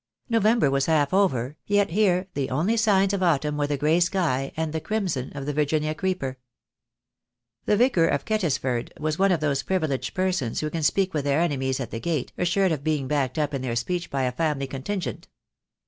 No vember was half over, yet here the only signs of autumn were the grey sky, and the crimson of the Virginia creeper, 246 THE DAY WILL COME. The Vicar of Kettisford was one of those privileged persons who can speak with their enemies at the gate, assured of being backed up in their speech by a family contingent.